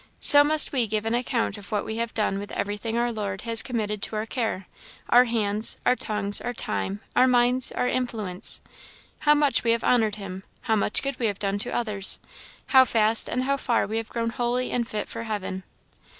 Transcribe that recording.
So must we give an account of what we have done with everything our Lord has committed to our care our hands, our tongues, our time, our minds, our influence; how much we have honoured him, how much good we have done to others, how fast and how far we have grown holy and fit for heaven."